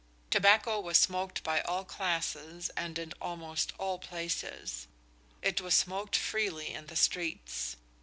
Tobacco was smoked by all classes and in almost all places. It was smoked freely in the streets.